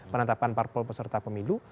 penetapan parpol peserta pemilu